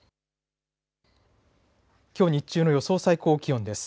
きょう日中の予想最高気温です。